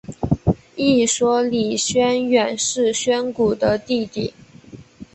一说李宣远是宣古的弟弟。